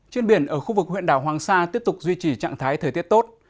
trên biển ở khu vực huyện đảo hoàng sa tiếp tục duy trì trạng thái thời tiết tốt